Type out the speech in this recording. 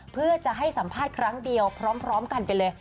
เพื่อจะให้สัมภาษณ์ครั้งเดียวพร้อมกันไปเลย